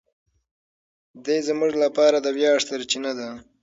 دی زموږ لپاره د ویاړ سرچینه ده.